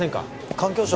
環境省